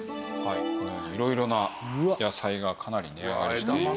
このように色々な野菜がかなり値上がりしていますけども。